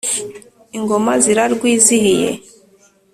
ingoma zirarwizihiye.